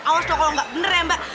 awas loh kalo gak bener ya mbak